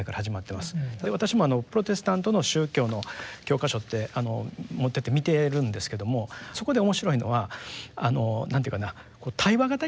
私もプロテスタントの宗教の教科書って持ってて見てるんですけどもそこで面白いのは何て言うかな対話型になってるんです。